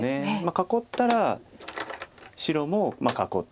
囲ったら白も囲ってと。